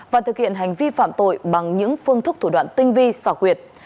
và thực hiện hành vi phạm tội bằng những phương thức thủ đoạn tinh vi xảo quyệt